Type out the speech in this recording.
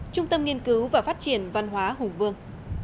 trung tâm nghiên cứu và phát triển văn hóa hùng vương